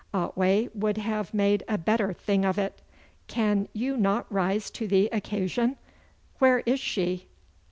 Otway would have made a bettor thing of it. Can you not rise to the occasion? Where is she?